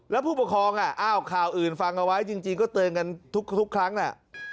แล้วผู้ปกครองอ้าวข่าวอื่นฟังเอาไว้จริงก็เตือนกันทุกครั้งน่ะ